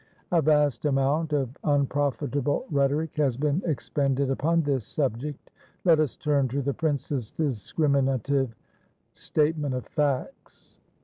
A vast amount of unprofitable rhetoric has been expended upon this subject. Let us turn to the princess's discriminative statement of facts.